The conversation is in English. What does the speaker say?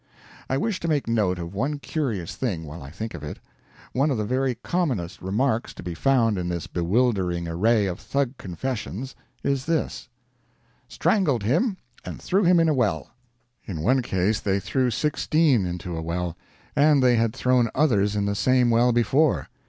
I wish to make note of one curious thing while I think of it. One of the very commonest remarks to be found in this bewildering array of Thug confessions is this: "Strangled him and threw him in a well!" In one case they threw sixteen into a well and they had thrown others in the same well before.